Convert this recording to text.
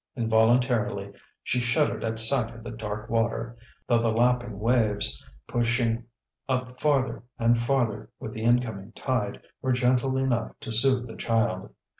Involuntarily she shuddered at sight of the dark water, though the lapping waves, pushing up farther and farther with the incoming tide, were gentle enough to soothe a child.